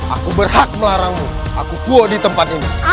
aku berhak melarangmu aku kuat di tempat ini